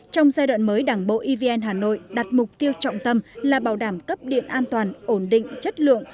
trong giai đoạn mới đảng bộ evn hà nội đặt mục tiêu trọng tâm là bảo đảm cấp điện an toàn ổn định chất lượng